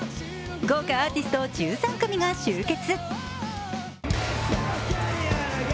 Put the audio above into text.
豪華アーティスト１３組が集結。